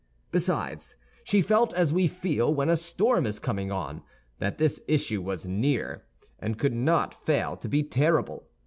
Besides, she felt as we feel when a storm is coming on—that this issue was near, and could not fail to be terrible.